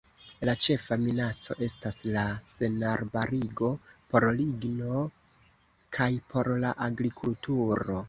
La ĉefa minaco estas la senarbarigo por ligno kaj por la agrikulturo.